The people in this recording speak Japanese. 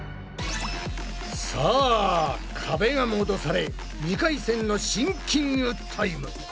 さあ壁が戻され２回戦のシンキングタイム。